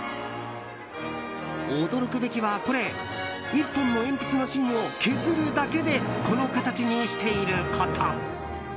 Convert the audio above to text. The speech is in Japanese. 驚くべきは、これ１本の鉛筆の芯を削るだけでこの形にしていること。